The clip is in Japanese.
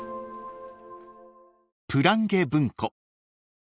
［プランゲ文庫］